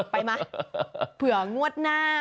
ไปมาเผื่องวดหน้า